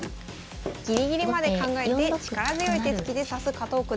ギリギリまで考えて力強い手つきで指す加藤九段。